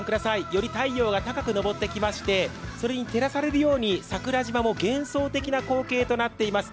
より太陽が高く上ってきまして、それに照らされるように桜島も幻想的な光景となっています。